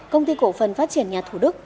công ty cổ phần phát triển nhà thủ đức